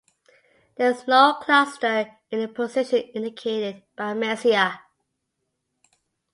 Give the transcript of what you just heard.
There is no cluster in the position indicated by Messier.